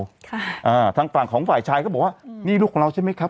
ค่ะอ่าทางฝั่งของฝ่ายชายก็บอกว่าอืมนี่ลูกของเราใช่ไหมครับ